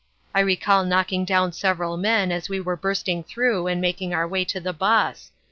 I recall knocking down several men as we were bursting through and making our way to the bus.